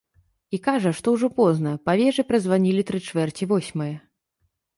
І кажа, што ўжо позна, па вежы празванілі тры чвэрці восьмае.